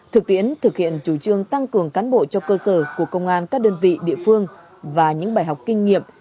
thực tiễn thực hiện chủ trương tăng cường cán bộ cho cơ sở của công an các đơn vị địa phương và những bài học kinh nghiệm